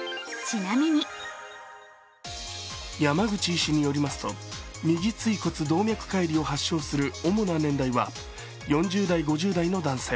山口医師によりますと右椎骨動脈解離を発症する主な年代は４０代、５０代の男性。